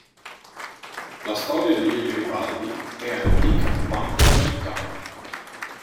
La storia di via Garibaldi è antica quanto la città.